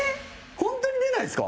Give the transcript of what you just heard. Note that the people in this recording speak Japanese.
本当に出ないですか？